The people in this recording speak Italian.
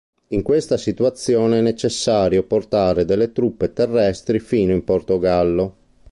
Per questa situazione è necessario portare delle truppe terrestri fino in Portogallo.